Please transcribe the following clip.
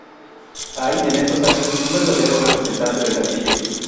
Hay en estos años un verdadero representante del Castillo.